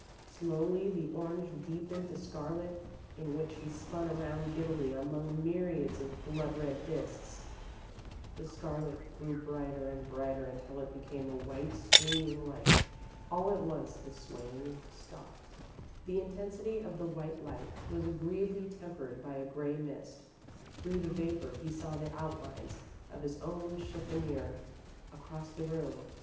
Slowly the orange deepened to scarlet in which he spun around giddily among myriads of blood red disks. The scarlet grew brighter and brighter until it became a white, streaming light. All at once the swaying stopped. The intensity of the white light was agreeably tempered by a grey mist. Through the vapour, he saw the outlines of his own chiffonier, across the room.